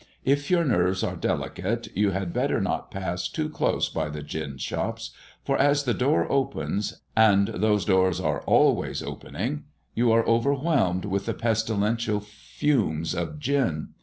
If your nerves are delicate, you had better not pass too close by the gin shops, for as the door opens and those doors are always opening you are overwhelmed with the pestilential fumes of gin.